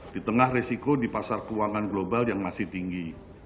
di tengah resiko di pasar keuangan global yang masih tinggi